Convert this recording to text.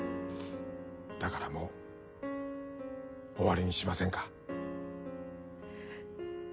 だからもう終わりにしませんか。